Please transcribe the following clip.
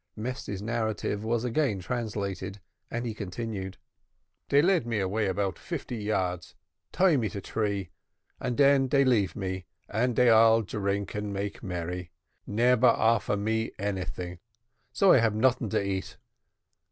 Mesty's narrative was again translated, and he continued. "Dey lead me away 'bout fifty yards, tie me to tree, and den dey leave me, and dey all drink and make merry, neber offer me anyting; so I hab noting den to eat.